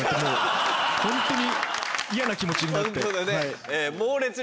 ホントに嫌な気持ちになって。